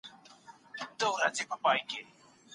خطا کار باید کفاره هېره نه کړي.